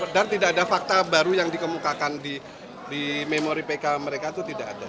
dan tidak ada fakta baru yang dikemukakan di memori pk mereka itu tidak ada